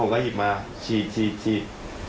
ผมก็หยิบมาฉีดฉีดฉีด